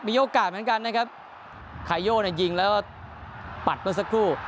มีโอกาสเหมือนกันนะครับไคโย่เนี้ยยิงแล้วก็ปัดกันสักครู่